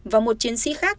và một chiến sĩ khác